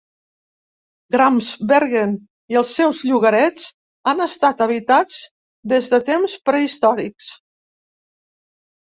Gramsbergen i els seus llogarets han estat habitats des de temps prehistòrics.